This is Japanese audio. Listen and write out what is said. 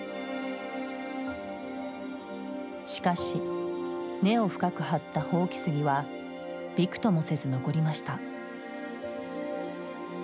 しかし、根を深く張った箒杉はびくともせず残りました。